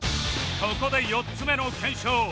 ここで４つ目の検証